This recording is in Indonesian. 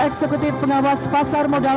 eksekutif pengawas pasar modal